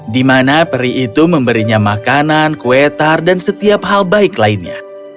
di mana peri itu memberinya makanan kue tar dan setiap hal baik lainnya